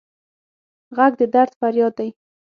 غږ د درد فریاد دی